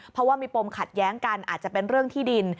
เพราะว่ามีปมขัดแย้งกันอาจจะเป็นเรื่องที่ดิน